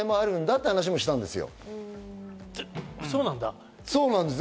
そうなんだ。